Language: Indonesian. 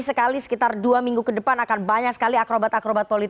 setiap hari baik dari